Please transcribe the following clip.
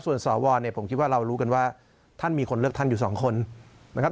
ส่วนสวเนี่ยผมคิดว่าเรารู้กันว่าท่านมีคนเลือกท่านอยู่สองคนนะครับ